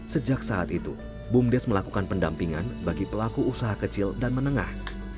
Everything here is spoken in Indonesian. sejak saat itu bumdes melakukan pendampingan bagi pelaku usaha kecil dan menengah